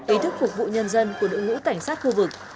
ý thức phục vụ nhân dân của đội ngũ cảnh sát khu vực